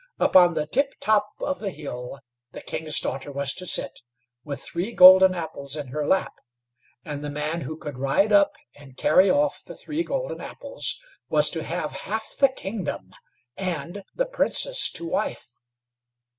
Upon the tip top of the hill the King's daughter was to sit, with three golden apples in her lap, and the man who could ride up and carry off the three golden apples, was to have half the kingdom, and the Princess to wife.